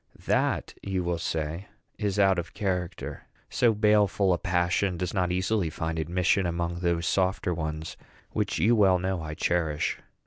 That, you will say, is out of character. So baleful a passion does not easily find admission among those softer ones which you well know I cherish.